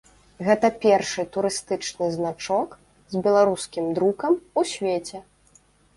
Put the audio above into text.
Гэта першы турыстычны значок з беларускім друкам у свеце.